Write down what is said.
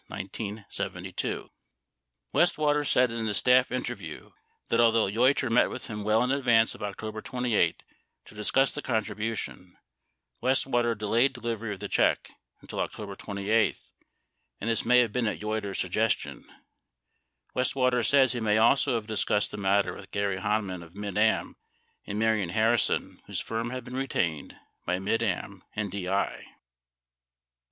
81 Westwater said in a staff interview that, although Yeut ter met with him well in advance of October 28 to discuss the contribu tion, Westwater delayed delivery of the check until October 28, and this may have been at Yeutter's suggestion. Westwater says he may also have discussed the matter with Gary Hanman of Mid Am and Marion Harrison, whose firm had been retained by Mid Am and DI.